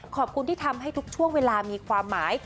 ขอบคุณที่ทำให้ทุกช่วงเวลามีความหมาย